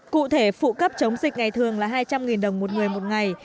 cụ thể phụ cấp chống dịch ngày thường là hai trăm linh đồng một người một ngày